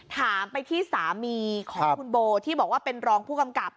ถามไปที่สามีของคุณโบที่บอกว่าเป็นรองผู้กำกับ